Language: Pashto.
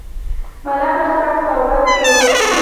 ملنګ ورسره په خبرو کې و.